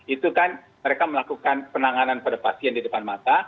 itu kan mereka melakukan penanganan pada pasien di depan mata